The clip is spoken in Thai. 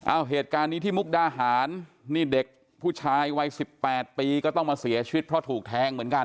เหตุการณ์นี้ที่มุกดาหารนี่เด็กผู้ชายวัยสิบแปดปีก็ต้องมาเสียชีวิตเพราะถูกแทงเหมือนกัน